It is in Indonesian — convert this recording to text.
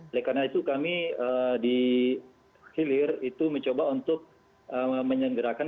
oleh karena itu kami di hilir itu mencoba untuk menyelenggarakan